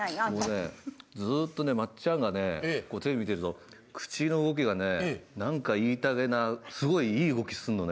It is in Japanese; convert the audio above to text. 僕ねずっとね松ちゃんがねテレビ見てると口の動きがね何か言いたげなすごいいい動きすんのね